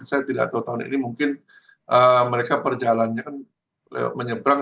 saya tidak tahu tahun ini mungkin mereka perjalannya kan menyeberang